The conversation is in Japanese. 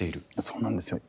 そうなんですよ。